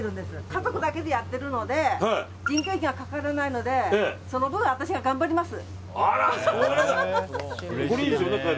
家族だけでやってるので人件費がかからないのでその分、私が頑張ります。